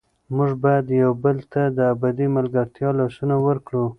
موږ باید یو بل ته د ابدي ملګرتیا لاسونه ورکړو.